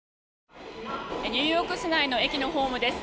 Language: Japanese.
ニューヨーク市内の駅のホームです。